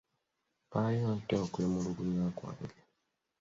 Mpaayo ntya okwemulugunya kwange?